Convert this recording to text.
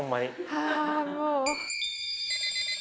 はあもう。